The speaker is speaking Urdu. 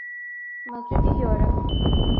مغربی یورپ